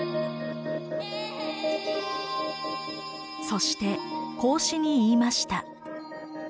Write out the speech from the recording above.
そして孔子に言いました。